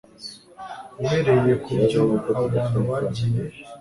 uhereye ku byo abo bantu bagiye